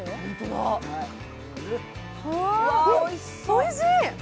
おいしい！